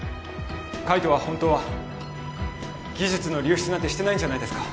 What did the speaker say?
海斗はホントは技術の流出なんてしてないんじゃないですか？